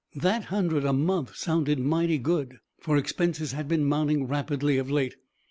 That hundred a month sounded mighty good, for expenses had been mounting rapidly of late.